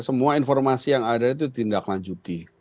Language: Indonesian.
semua informasi yang ada itu tindak lanjuti